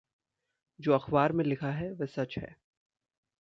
जो अखबार में लिखा है वह सच है।